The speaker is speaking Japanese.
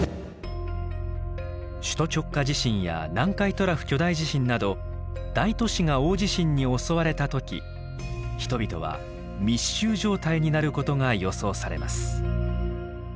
首都直下地震や南海トラフ巨大地震など大都市が大地震に襲われた時人々は密集状態になることが予想されます。